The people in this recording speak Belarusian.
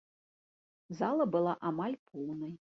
Зала была амаль поўнай.